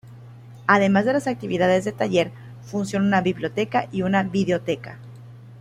Además de las actividades de taller, funciona una biblioteca y una videoteca.